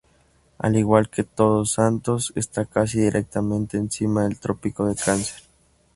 Al igual que Todos Santos esta casi directamente encima del Trópico de Cáncer.